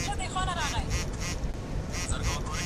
ډیپلوماسي د ثبات لاره ده.